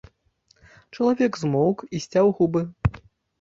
Чалавек змоўк і сцяў губы.